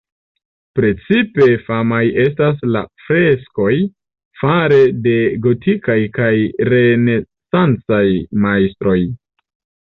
Precipe famaj estas la freskoj fare de gotikaj kaj renesancaj majstroj.